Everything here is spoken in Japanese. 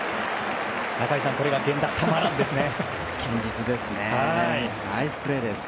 中居さん、これが源田たまらんですね。